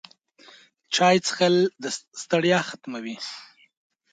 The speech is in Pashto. چای څښل د ستړیا ختموي